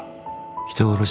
人殺し。